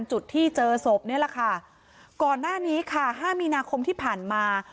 จุดที่เจอศพนี่แหละค่ะก่อนหน้านี้ค่ะห้ามีนาคมที่ผ่านมา